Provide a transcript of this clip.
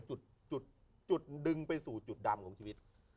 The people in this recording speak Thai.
จุดดึงไปสู่จุดดำของชีวิต